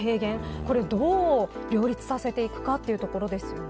これをどう両立させるかというところですよね。